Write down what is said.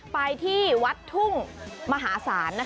ไปที่วัดทุ่งมหาศาล